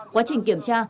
quá trình kiểm tra